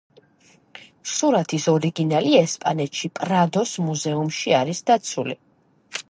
სურათის ორიგინალი ესპანეთში პრადოს მუზეუმში არის დაცული.